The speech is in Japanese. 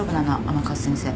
甘春先生。